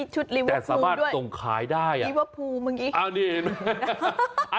ชุดลิเวอร์ฟูด้วยลิเวอร์ฟูมึงอีกครับนะครับ